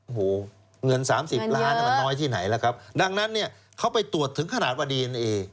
โอ้โหเงินสามสิบล้านมันน้อยที่ไหนล่ะครับดังนั้นเนี่ยเขาไปตรวจถึงขนาดว่าดีเอนเอ